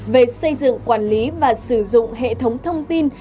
về xây dựng quản lý và sử dụng hệ thống thông tin